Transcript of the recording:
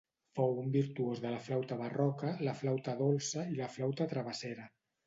Fou un virtuós de la flauta barroca, la flauta dolça i la flauta travessera.